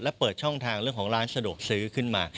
และเปิดช่องทางเรื่องของร้านสะดวกซื้อขึ้นมา